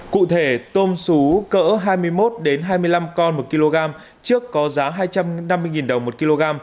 cụ thể tôm sú cỡ hai mươi một hai mươi năm con một kg trước có giá hai trăm năm mươi đồng một kg